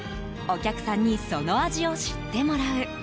お客さんにその味を知ってもらう。